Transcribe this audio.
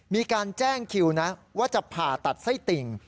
มีการแจ้งคิวนะว่าจะผ่าตัดไส้ติ่ง